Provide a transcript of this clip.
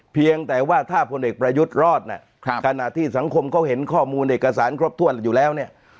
เพียงแต่ว่าถ้าพลเอกประยุทธ์รอดเนี่ยขณะที่สังคมเขาเห็นข้อมูลเอกสารครบถ้วนอยู่แล้วเนี่ย